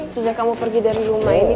sejak kamu pergi dari rumah ini